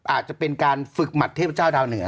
อาจจะเป็นการฝึกหัดเทพเจ้าดาวเหนือ